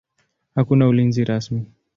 Hakuna ulinzi rasmi.